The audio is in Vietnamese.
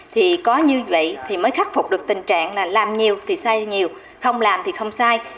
thì có như vậy thì mới khắc phục được tình trạng là làm nhiều thì sai nhiều không làm thì không sai